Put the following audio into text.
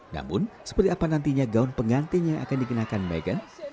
namun seperti apa nantinya gaun pengantin yang akan dikenakan meghan